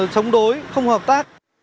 chống đối không hợp tác